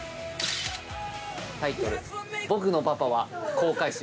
タイトル。